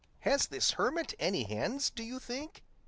"Has this hermit any hens, do you think?"